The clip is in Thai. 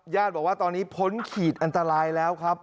บอกว่าตอนนี้พ้นขีดอันตรายแล้วครับ